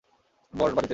বর বাড়ীতে এসেছে।